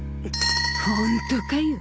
ホントかよ